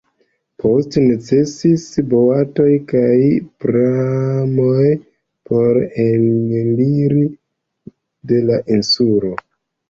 Poste necesis boatoj kaj pramoj por eliri de la insulo.